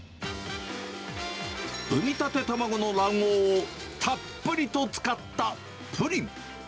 産みたて卵の卵黄をたっぷりと使ったプリン。